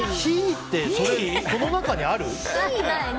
って、この中にある？